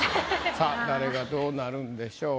さぁ誰がどうなるんでしょうか。